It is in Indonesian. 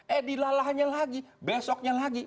eh dilalahnya lagi besoknya lagi